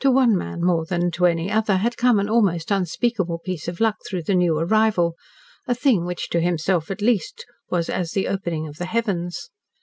To one man more than to any other had come an almost unspeakable piece of luck through the new arrival a thing which to himself, at least, was as the opening of the heavens.